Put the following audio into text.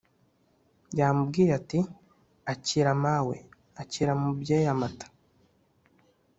yamubwiye Ati: “Akira mawe, akira mubyeyi amata